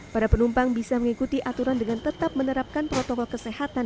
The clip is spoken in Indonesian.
para penumpang bisa mengikuti aturan dengan tetap menerbitkan